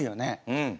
うん！